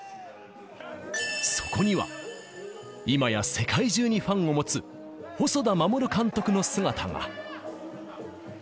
そこには、今や世界中にファンを持つ、細田守監督の姿が。